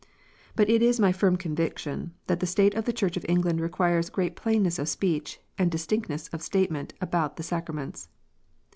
But it is my firm conviction that the state of the Church of England requires great plainness of speech and distinctness of statement about the sacraments.